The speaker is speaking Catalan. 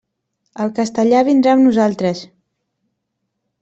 El castellà vindrà amb nosaltres.